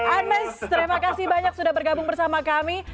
ames terima kasih banyak sudah bergabung bersama kami